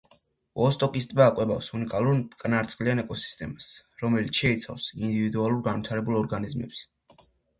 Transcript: ვოსტოკის ტბა კვებავს უნიკალურ მტკნარწყლიან ეკოსისტემას, რომელიც შეიცავს ინდივიდუალურად განვითარებულ ორგანიზმებს.